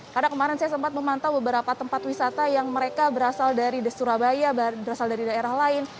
karena kemarin saya sempat memantau beberapa tempat wisata yang mereka berasal dari surabaya berasal dari daerah lain